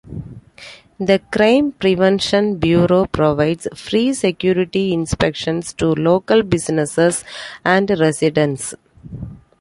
The Crime prevention Bureau provides free security inspections to local businesses and residents.